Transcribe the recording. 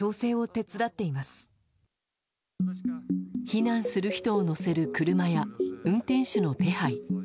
避難する人を乗せる車や運転手の手配。